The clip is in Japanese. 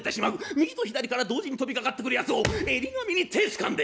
右と左から同時に飛びかかってくるやつを襟髪に手ぇつかんで。